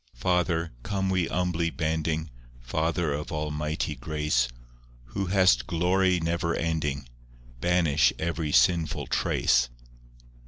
III Father, come we humbly bending,— Father of Almighty grace, Who hast glory never ending, Banish every sinful trace.